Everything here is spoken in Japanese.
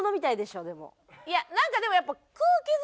いやなんかでもやっぱ。